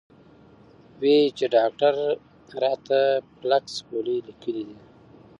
وې ئې چې ډاکټر راته فلکس ګولۍ ليکلي دي -